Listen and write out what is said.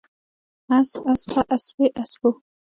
اس، اسپه، اسپې، اسپو